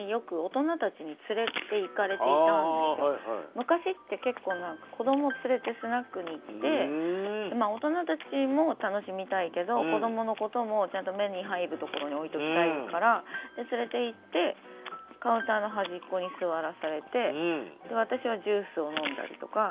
昔って結構子ども連れてスナックに行って大人たちも楽しみたいけど子どものこともちゃんと目に入るところに置いておきたいから連れて行ってカウンターの端っこに座らされて私はジュースを飲んだりとか。